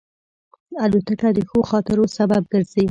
الوتکه د ښو خاطرو سبب ګرځي.